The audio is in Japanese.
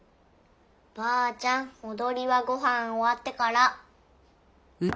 ばあちゃんおどりはごはんおわってから。